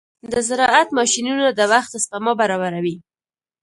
د زراعت ماشينونه د وخت سپما برابروي.